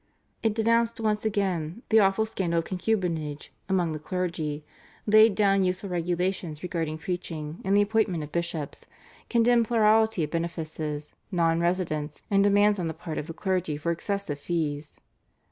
It denounced once again the awful scandal of concubinage among the clergy, laid down useful regulations regarding preaching and the appointment of bishops, condemned plurality of benefices, nonresidence, and demands on the part of the clergy for excessive fees.